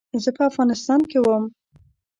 زه په افغانستان کې وم.